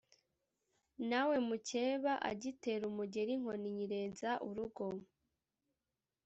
Nawe mukeba agitera umugeri inkoni nyirenza urugo